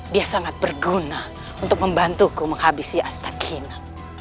dia sangat berguna untuk membantuku menghabisi astakina